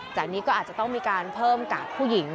จากนี้ก็อาจจะต้องมีการเพิ่มกาดผู้หญิง